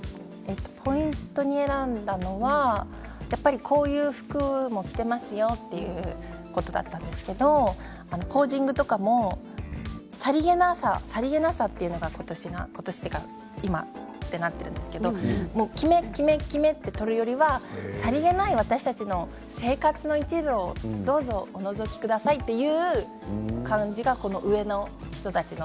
ポイントになっているのはこういう服も着ていますよということだったんですけれどポージングとかも、さりげなささりげなさというのがことし、ことしというか今、なっているんですけれど決め、決めと撮るよりはさりげない私たちの生活をどうぞおのぞきくださいという感じが上の人たちの。